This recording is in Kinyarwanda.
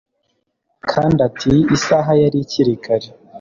Kandi ati isaha yari ikiri kare